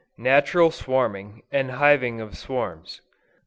NATURAL SWARMING, AND HIVING OF SWARMS.